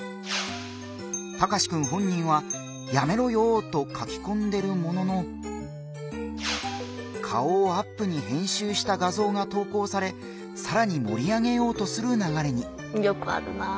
タカシくん本人は「やめろよー」と書きこんでるものの顔をアップに編集した画像が投稿されさらに盛り上げようとするながれに。